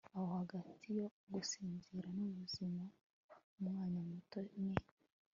aho hagati yo gusinzira nubuzima umwanya muto ni